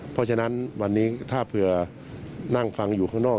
เพราะฉะนั้นวันนี้ถ้าเผื่อนั่งฟังอยู่ข้างนอก